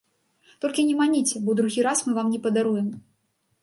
Толькі не маніце, бо другі раз мы вам не падаруем.